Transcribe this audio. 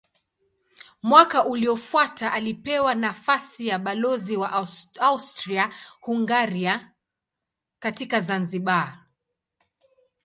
Mwaka uliofuata alipewa nafasi ya balozi wa Austria-Hungaria katika Zanzibar.